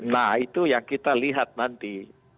nah itu yang kita lihat nanti